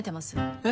えっ？